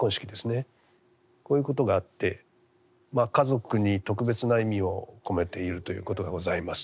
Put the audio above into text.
こういうことがあって家族に特別な意味を込めているということがございます。